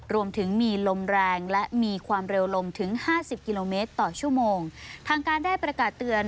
รวมถึงมีลมแรงและมีความเร็วลมถึงห้าสิบกิโลเมตรต่อชั่วโมงทางการได้ประกาศเตือน